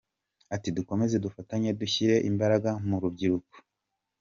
Ati “Dukomeze dufatanye dushyire imbaraga mu rubyiruko.